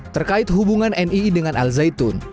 terkait hubungan nii dengan al zaitun